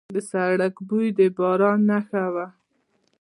د سړک بوی د باران نښه وه.